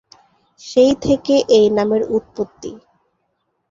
সেই থেকে এই নামের উৎপত্তি।